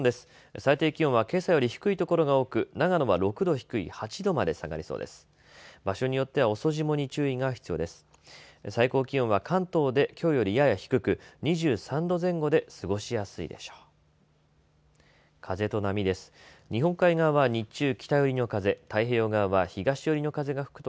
最高気温は関東できょうよりやや低く、２３度前後で過ごしやすいでしょう。